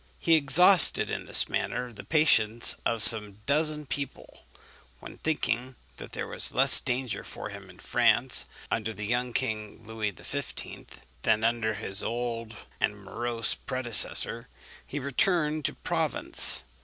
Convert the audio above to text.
He exhausted in this manner the patience of some dozen of people, when, thinking that there was less danger for him in France under the young king Louis XV. than under his old and morose predecessor, he returned to Provence.